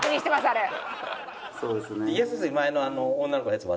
あれそうですね